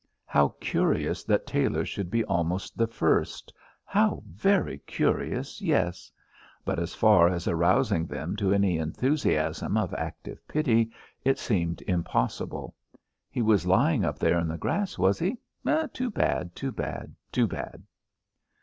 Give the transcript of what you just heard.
How curious that Tailor should be almost the first how very curious yes. But, as far as arousing them to any enthusiasm of active pity, it seemed impossible. He was lying up there in the grass, was he? Too bad, too bad, too bad!